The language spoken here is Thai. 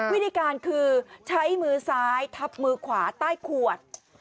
วิธีการคือใช้มือซ้ายทับมือขวาใต้ขวด